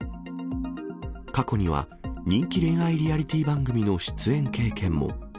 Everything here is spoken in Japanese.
過去には、人気恋愛リアリティー番組の出演経験も。